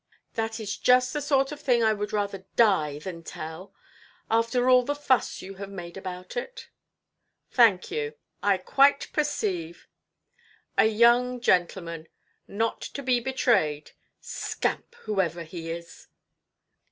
"That is just the sort of thing I would rather die than tell, after all the fuss you have made about it". "Thank you; I quite perceive. A young gentleman—not to be betrayed—scamp, whoever he is".